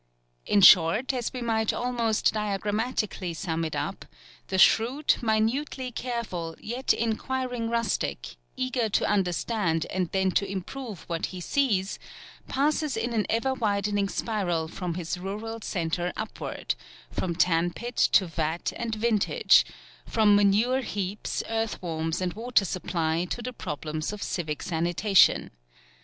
In short, as we might almost diagrammatically sum it up, the shrewd, minutely careful, yet inquiring rustic, eager to understand and then to improve what he sees, passes in an ever widening spiral from his rural centre upward, from tan pit to vat and vintage, from manure heaps, earthworms, and water supply to the problems of civic sanitation.